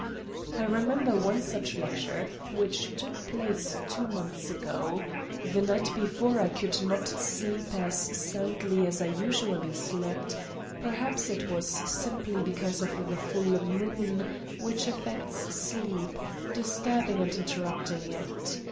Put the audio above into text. I remember one such lecture which took place two months ago. The night before I could not sleep as soundly as I usually slept; perhaps it was simply because of the full moon, which affects sleep, disturbing and interrupting it.